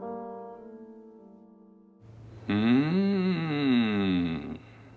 うん。